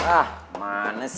ah mana sih